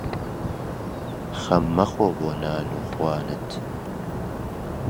خەم مەخۆ بۆ نان و خوانت